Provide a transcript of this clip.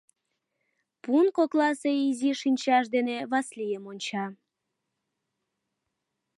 Пун кокласе изи шинчаж дене Васлийым онча.